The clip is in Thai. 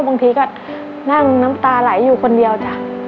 บางทีก็นั่งน้ำตาไหลอยู่คนเดียวจ้ะ